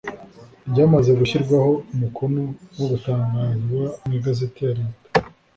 ryamaze gushyirwaho umukono no gutangazwa mu igazeti ya Leta.